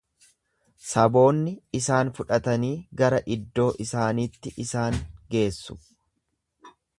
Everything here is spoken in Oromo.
Saboonni isaan fudhatanii gara iddoo isaaniitti isaan geessu.